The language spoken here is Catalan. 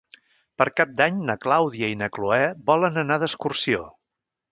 Per Cap d'Any na Clàudia i na Cloè volen anar d'excursió.